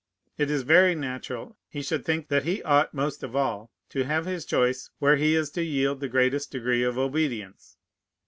It is very natural he should think that he ought most of all to have his choice where he is to yield the greatest degree of obedience.